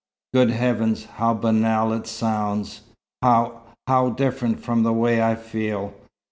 Good heavens, how banal it sounds! How how different from the way I feel!